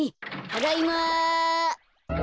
ただいま。